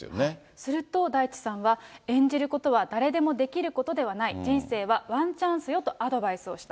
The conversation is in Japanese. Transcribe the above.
すると、大地さんは演じることは誰でもできることではない、人生はワンチャンスよとアドバイスをした。